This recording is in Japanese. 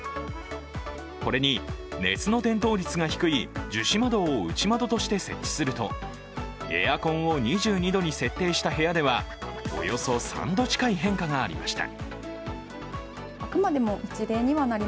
これに熱の伝導率が低い樹脂窓を内窓として設置するとエアコンを２２度に設定した部屋ではおよそ３度近い変化がありました。